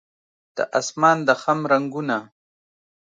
د اسمان د خم رنګونه